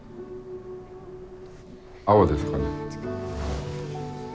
青ですかね。